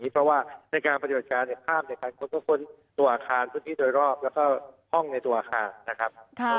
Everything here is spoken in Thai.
เพราะว่าในการปฏิบัติการข้ามในการค้นตัวอาคารพื้นที่โดยรอบแล้วก็ห้องในตัวอาคารนะครับ